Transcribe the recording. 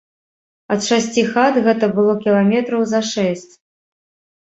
Ад шасці хат гэта было кіламетраў за шэсць.